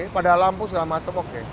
pada lampu segala macam oke